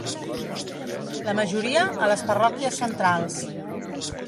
La majoria, a les parròquies centrals.